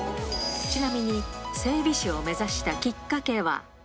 ちなみに整備士を目指したきっかけは。